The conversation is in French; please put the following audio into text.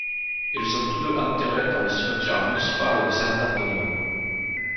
Ils sont tous deux enterrés dans le cimetière municipal de San Antonio.